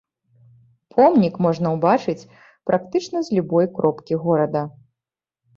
Помнік можна ўбачыць практычна з любой кропкі горада.